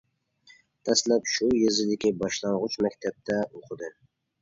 دەسلەپ شۇ يېزىدىكى باشلانغۇچ مەكتەپتە ئوقۇدى.